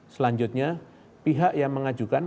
selanjutnya pihak yang mengajukan